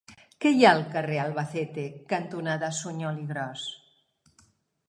Què hi ha al carrer Albacete cantonada Suñol i Gros?